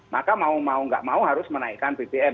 maka mau mau nggak mau harus menaikkan bbm